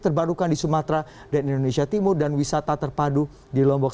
terbarukan di sumatera dan indonesia timur dan wisata terpadu di lombok